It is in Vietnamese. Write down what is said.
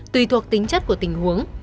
tùy thuộc tính chất của tình huống